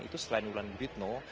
itu selain wulan guritno